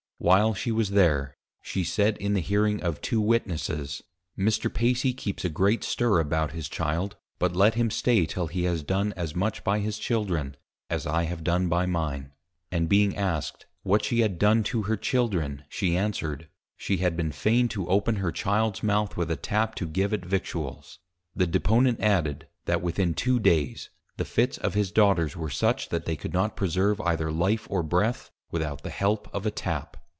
While she was there, she said in the hearing of Two Witnesses, _Mr. +Pacy+ keeps a great stir about his Child, but let him stay till he has done as much by his Children, as I have done by mine:_ And being Asked, What she had done to her Children, she Answered, She had been fain to open her Childs Mouth with a Tap to give it Victuals. The Deponent added, that within Two Days, the Fits of his Daughters were such, that they could not preserve either Life or Breath, without the help of a Tap.